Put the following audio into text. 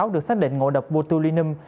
được xác định ngộ độc botulinum